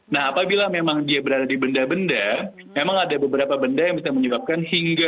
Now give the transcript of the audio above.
nah apabila memang dia berada di benda benda memang ada beberapa benda yang bisa menyebabkan hingga